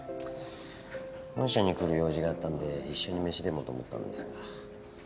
本社に来る用事があったんで一緒に飯でもと思ったんですが。